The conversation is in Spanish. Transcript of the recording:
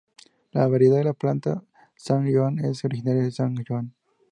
La variedad 'De La Plata, Sant Joan' es originaria de Sant Joan.